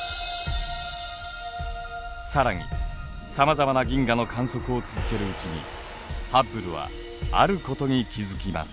更にさまざまな銀河の観測を続けるうちにハッブルはあることに気付きます。